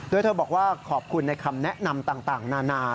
โดยเธอบอกว่าขอบคุณในคำแนะนำต่างนานา